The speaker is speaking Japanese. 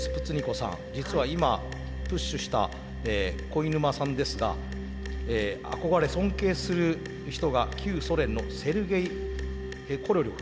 さん実は今プッシュした肥沼さんですが憧れ尊敬する人が旧ソ連のセルゲイ・コロリョフ。